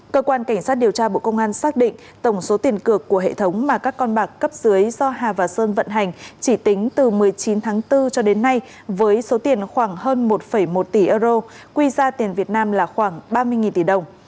cơ quan cảnh sát điều tra bộ công an xác định tổng số tiền cược của hệ thống mà các con bạc cấp dưới do hà và sơn vận hành chỉ tính từ một mươi chín tháng bốn cho đến nay với số tiền khoảng hơn một một tỷ euro quy ra tiền việt nam là khoảng ba mươi tỷ đồng